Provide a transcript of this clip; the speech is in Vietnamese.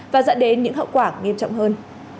và dẫn đến những hậu quả nghiêm trọng hơn